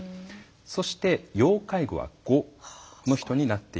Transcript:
そして要介護は５の人になっています。